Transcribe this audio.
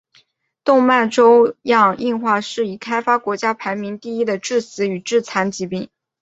动脉粥样硬化是已开发国家排名第一的致死与致残疾病。